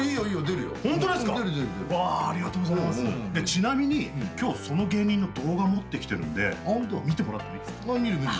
ちなみに今日その芸人の動画持ってきてるんで見てもらってもいいですか。